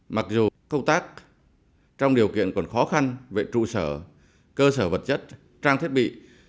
mặc dù công tác trong điều kiện còn khó khăn về trụ sở cơ sở vật chất trang thiết bị